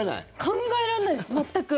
考えられないです、全く。